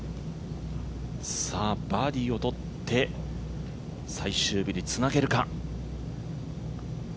バーディーを取って最終日につなげるか。